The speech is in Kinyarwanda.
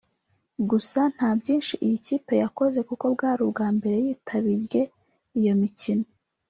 gusa nta byinshi iyi kipe yakoze kuko bwari ubwa mbere yitabirye iyi mikino